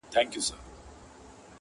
ښه پوهېږې نوی کال دی صدقې